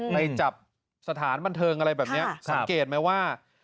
ในจับสถานบันเทิงอะไรแบบนี้สังเกตไหมว่า